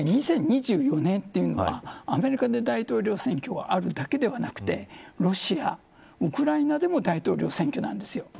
２０２４年はアメリカの大統領選挙があるだけではなくロシア、ウクライナでも大統領選挙なんですよ。